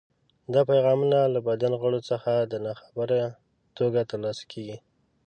دا پیغامونه له بدن غړو څخه په ناخبره توګه ترلاسه کېږي.